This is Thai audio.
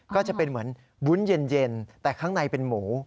ก็จะเป็นเหมือนวุ้นเย็นแต่ข้างในเป็นหมู